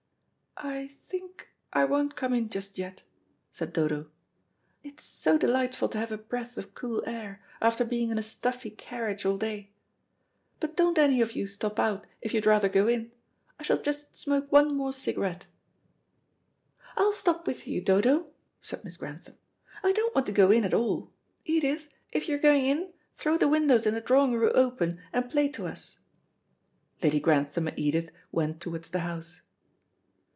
"I think I won't come in just yet," said Dodo; "it's so delightful to have a breath of cool air, after being in a stuffy carriage all day. But don't any of you stop out if you'd rather go in. I shall just smoke one more cigarette." "I'll stop with you, Dodo," said Miss Grantham. "I don't want to go in at all. Edith, if you're going in, throw the windows in the drawing room open, and play to us." Lady Grantham and Edith went towards the house.